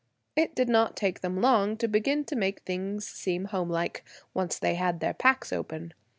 It did not take them long to begin to make things seem homelike, once they had their packs open.